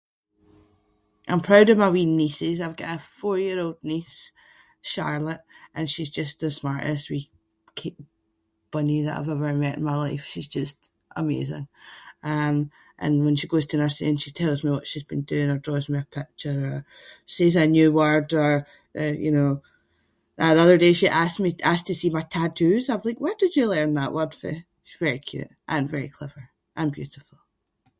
I’m proud of my wee nieces. I’ve got a four-year-old niece, Charlotte, and she’s just the smartest wee k- bunny that I’ve ever met in my life. She’s just amazing um and when she goes to nursery and she tells me what she’s been doing, or draws me a picture, or says a new word or, uh you know, like the other day she asked me- asked to see my tattoos. I was like “where did you learn that word fae?” She’s very cute. And very clever. And beautiful.